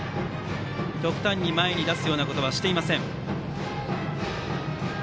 極端に前に出すようなことはしていません。